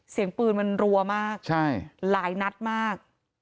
เสียงปืนมันรัวมากหลายนัดมาก